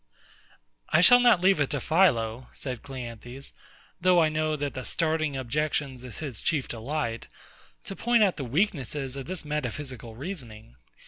I shall not leave it to PHILO, said CLEANTHES, though I know that the starting objections is his chief delight, to point out the weakness of this metaphysical reasoning.